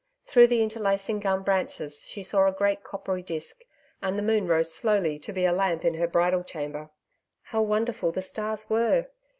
Through the interlacing gum branches she saw a great coppery disk, and the moon rose slowly to be a lamp in her bridal chamber. How wonderful the stars were!...